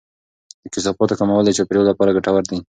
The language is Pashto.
د کثافاتو کمول د چاپیریال لپاره ګټور دی.